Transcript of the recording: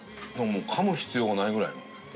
かむ必要がないぐらいの。